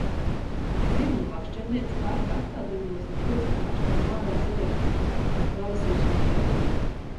Sirma makšķerniece parka apstādījumos ar kociņu kašņā ārā sliekas. Pavasaris notiek.